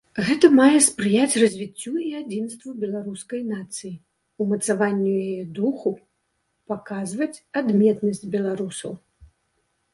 Гэта мае спрыяць развіццю і адзінству беларускай нацыі, умацаванню яе духу, паказваць адметнасць беларусаў.